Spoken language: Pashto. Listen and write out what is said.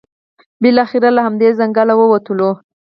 بالاخره له همدې ځنګل ووتلو.